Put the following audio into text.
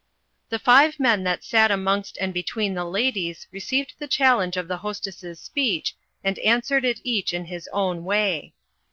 The five men that sat amongst and between the ladies received the challenge of the Hostess's speech and answered it each in his own way.